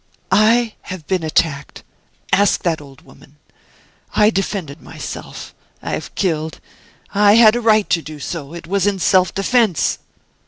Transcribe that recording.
"I have been attacked; ask that old woman. I defended myself; I have killed I had a right to do so; it was in self defense!"